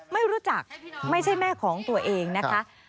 ไม่รู้จักไม่ใช่แม่ของตัวเองนะคะ